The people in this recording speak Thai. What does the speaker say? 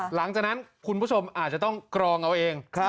หลังจากนั้นคุณผู้ชมอาจจะต้องกรองเอาเอง